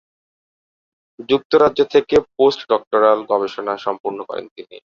যুক্তরাজ্য থেকে post doctoral গবেষণা সম্পন্ন করেন তিনি।